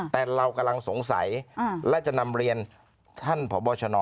แต่เรากำลังสงสัยและจะนำเรียนท่านพบชน